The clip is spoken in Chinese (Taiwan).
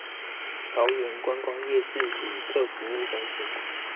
桃園觀光夜市旅客服務中心